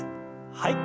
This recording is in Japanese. はい。